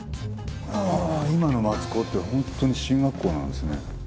今の松高って本当に進学校なんですね。